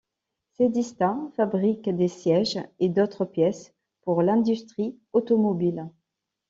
Sedišta fabrique des sièges et d'autres pièces pour l'industrie automobile.